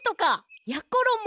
やころも